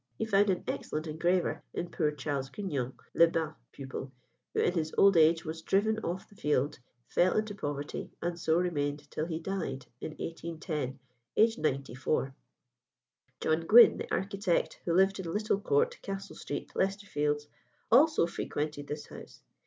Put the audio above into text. He found an excellent engraver in poor Charles Grignon, Le Bas' pupil, who in his old age was driven off the field, fell into poverty, and so remained till he died in 1810, aged 94. John Gwynn, the architect, who lived in Little Court, Castle Street, Leicester Fields, also frequented this house.